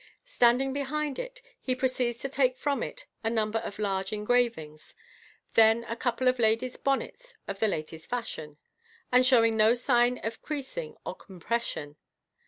Standing behind it, he proceeds to take from it a number of large engravings, then a couple of lady's bonnets of the latest fashion, and showing no sign of creasing or compression.